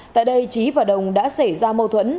tại đây trí và đồng đã xảy ra mâu thuẫn